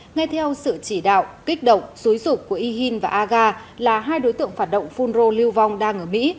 ngay theo sự chỉ đạo kích động xúi rụt của y hin và aga là hai đối tượng phản động phun rô lưu vong đang ở mỹ